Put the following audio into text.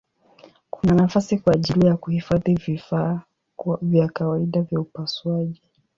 Kuna nafasi kwa ajili ya kuhifadhi vifaa vya kawaida vya upasuaji.